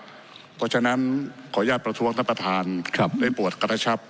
เพราะฉะนั้นขออนุญาตประท้วงท่านประธานครับได้ปวดกระชับ